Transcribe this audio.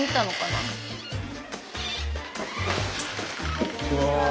こんにちは。